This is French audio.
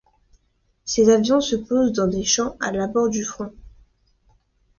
Ces avions se posent dans des champs à l'abord du front.